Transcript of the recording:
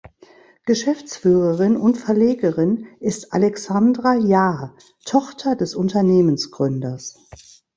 Geschäftsführerin und Verlegerin ist Alexandra Jahr, Tochter des Unternehmensgründers.